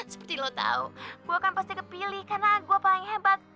seperti lo tahu gue kan pasti kepilih karena gue paling hebat